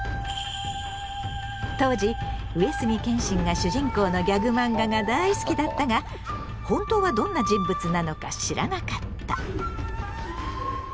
当時上杉謙信が主人公のギャグマンガが大好きだったが本当はどんな人物なのか知らなかった。